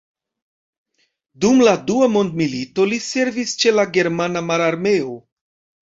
Dum la Dua mondmilito li servis ĉe la germana mararmeo.